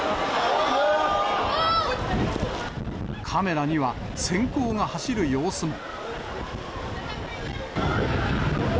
カメラにはせん光が走る様子も。